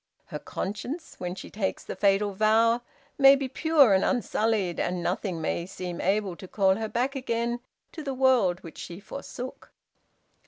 Her conscience, when she takes the fatal vow, may be pure and unsullied, and nothing may seem able to call her back again to the world which she forsook.